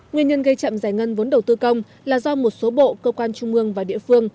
nguyên nhân gây chậm giải ngân vốn đầu tư công là do một số bộ cơ quan trung mương và địa phương